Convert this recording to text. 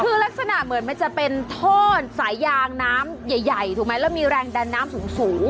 คือลักษณะเหมือนมันจะเป็นท่อนสายยางน้ำใหญ่ถูกไหมแล้วมีแรงดันน้ำสูง